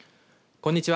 こんにちは。